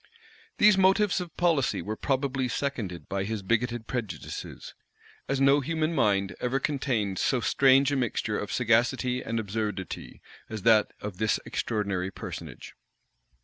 [*] These motives of policy were probably seconded by his bigoted prejudices; as no human mind ever contained so strange a mixture of sagacity and absurdity as that of this extraordinary personage.